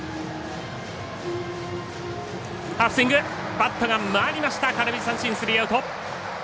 バット回りました空振り三振、スリーアウト。